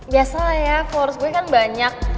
biasalah ya followers gue kan banyak